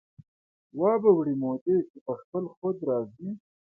وابه وړي مودې چې په خپل خود را ځي